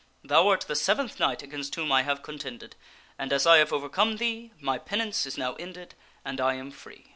Thou art the seventh knight against whom I have contended, and as I ha\*e overcome thee, my penance is now ended and I am free."